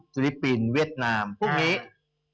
ฟิลิปปินเวียดนามพวกนี้